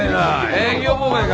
営業妨害か！？